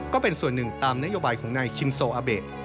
ก็เป็นส่วนหนึ่งตามนโยบายของนายคิมโซอาเบะ